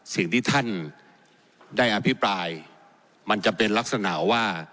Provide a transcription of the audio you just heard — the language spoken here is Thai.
สิ่งที่ท่านได้อภิปรายมันจะเป็นลักษณะว่า